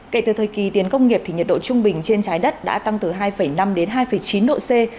kể từ thời kỳ tiến công nghiệp thì nhiệt độ trung bình trên trái đất đã tăng từ hai năm đến hai chín độ c